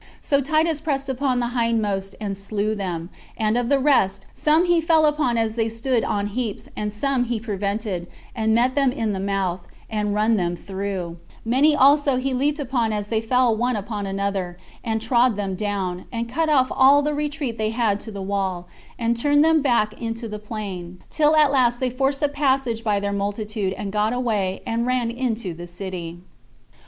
So Titus pressed upon the hindmost, and slew them; and of the rest, some he fell upon as they stood on heaps, and some he prevented, and met them in the mouth, and run them through; many also he leaped upon as they fell one upon another, and trod them down, and cut off all the retreat they had to the wall, and turned them back into the plain, till at last they forced a passage by their multitude, and got away, and ran into the city.